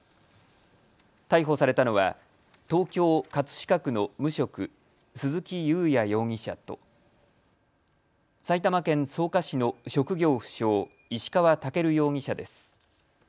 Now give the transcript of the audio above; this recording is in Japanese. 逮捕されたのは東京葛飾区の無職、鈴木雄也容疑者と埼玉県草加市の職業不詳、石川健容疑者です。